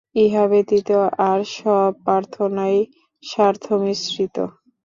ইহা ব্যতীত আর সব প্রার্থনাই স্বার্থমিশ্রিত।